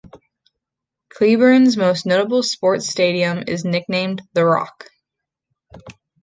Cleburne's most notable sports stadium is nicknamed "The Rock".